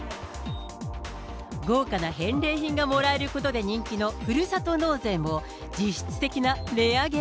豪華な返礼品がもらえることで人気のふるさと納税も、実質的な値上げ？